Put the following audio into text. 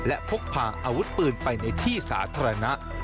และพกพาอาวุธปืนไปในที่สาธารณะ